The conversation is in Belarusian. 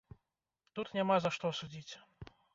Тут няма за што судзіць.